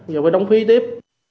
giờ phải đóng phí tiếp